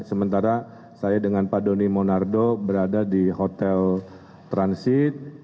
sementara saya dengan pak doni monardo berada di hotel transit